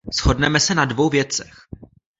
Shodneme se na dvou věcech.